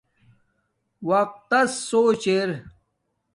وقت تس سوچ ار